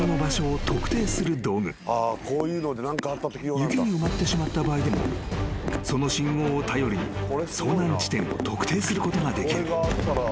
［雪に埋まってしまった場合でもその信号を頼りに遭難地点を特定することができる］